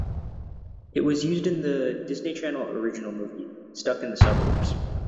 It was used in the Disney Channel Original Movie "Stuck in the Suburbs".